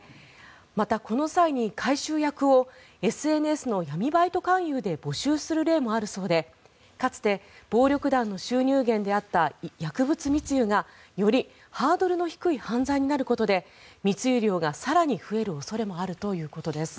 また、この際に回収役をＳＮＳの闇バイト勧誘で募集する例もあるそうでかつて、暴力団の収入源であった薬物密輸が、よりハードルの低い犯罪になることで密輸量が更に増える恐れもあるということです。